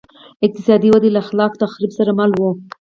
اقتصادي وده له خلاق تخریب سره مله وه